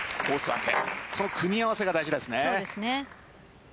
分けその組み合わせが大事ですね。